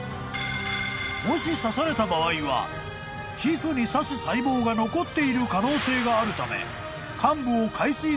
［もし刺された場合は皮膚に刺す細胞が残っている可能性があるため］